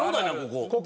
ここ。